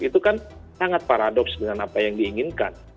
itu kan sangat paradoks dengan apa yang diinginkan